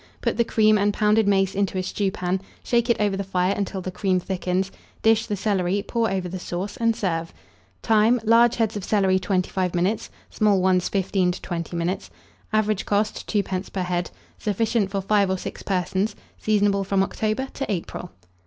Put the cream and pounded mace into a stewpan; shake it over the fire until the cream thickens, dish the celery, pour over the sauce, and serve. Time. Large heads of celery, 25 minutes; small ones, 15 to 20 minutes. Average cost. 2d. per head. Sufficient for 5 or 6 persons. Seasonable from October to April.